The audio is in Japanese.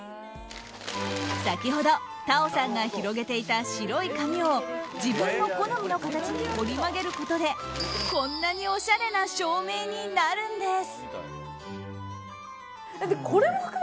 先ほど、Ｔａｏさんが広げていた白い紙を自分の好みの形に折り曲げることでこんなにおしゃれな照明になるんです。